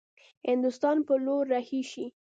هندوستان پر لور رهي شي.